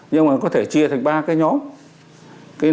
nhưng mà có thể chia thành ba cái nhóm